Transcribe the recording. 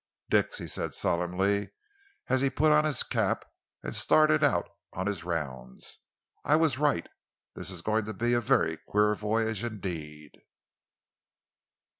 "Dix," he said solemnly, as he put on his cap and started out on his rounds, "I was right. This is going to be a very queer voyage indeed!"